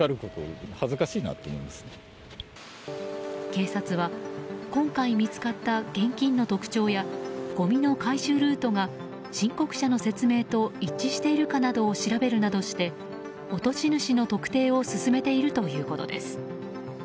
警察は今回見つかった現金の特徴やごみの回収ルートが申告者の説明と一致しているかなどを調べるなどして落とし主の特定を進めているということです。